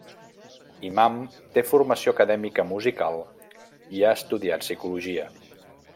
Imam té formació acadèmica musical i ha estudiat psicologia.